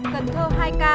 sóc trăng hai ca